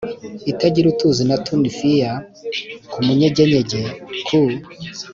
itagira utuzi na tunifinya ku munyegenyegeku